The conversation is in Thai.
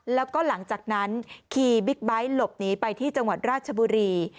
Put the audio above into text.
แล้วก็หลังจากนั้นขี่บิ๊กไบท์หลบหนีไปที่จังหวัดราชบุรี